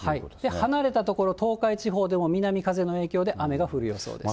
離れた所、東海地方でも南風の影響で、雨が降る予想です。